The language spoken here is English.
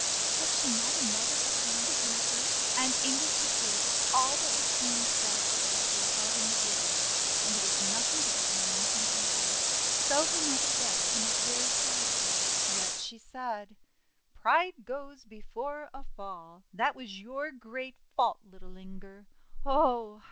Had she not a mother up yonder on the earth? And Inger could hear all that was being said about her above in the world, and it was nothing but blame and evil. Though her mother wept, and was very sorrowful, yet she said :—'' Pride goes before a fall! That was your great fault, little Inger! Oh!